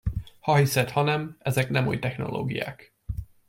Ha hiszed, ha nem, ezek nem új technológiák.